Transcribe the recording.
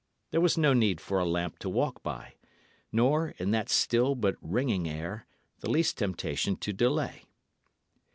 There was no need for a lamp to walk by; nor, in that still but ringing air, the least temptation to delay.